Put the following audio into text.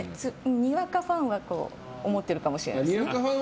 にわかファンは思ってるかもしれないです。